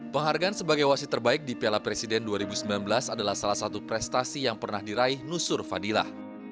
penghargaan sebagai wasit terbaik di piala presiden dua ribu sembilan belas adalah salah satu prestasi yang pernah diraih nusur fadilah